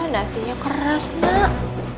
ya nasinya keras nak